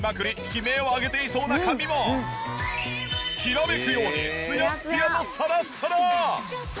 悲鳴を上げていそうな髪もきらめくようにツヤッツヤのさらっさら！